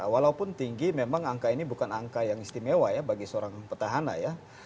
walaupun tinggi memang angka ini bukan angka yang istimewa ya bagi seorang petahana ya